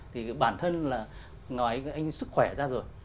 thì bản thân là anh sức khỏe ra rồi